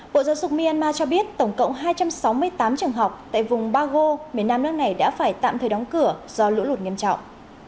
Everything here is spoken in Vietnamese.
bộ giáo dục myanmar cho biết tổng cộng hai trăm sáu mươi tám trường học tại vùng bago miền nam nước này đã phải tạm thời đóng cửa do lũ lụt nghiêm trọng